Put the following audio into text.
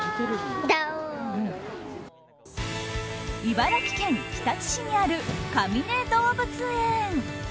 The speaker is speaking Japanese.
茨城県日立市にあるかみね動物園。